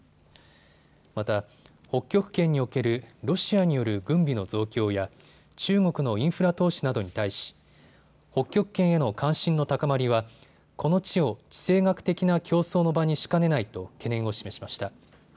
また北極圏におけるロシアによる軍備の増強や中国のインフラ投資などに対し北極圏への関心の高まりはこの地を地政学的な競争の場にしかねないと懸念を示しました。